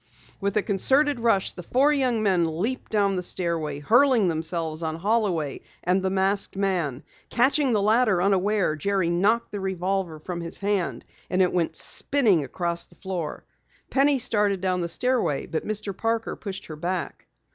With a concerted rush, the four young men leaped down the stairway, hurling themselves on Holloway and the masked man. Catching the latter unaware, Jerry knocked the revolver from his hand and it went spinning over the floor. Penny started down the stairway, but Mr. Parker pushed her back.